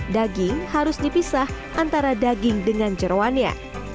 daging harus dipisah antara daging dengan jeruannya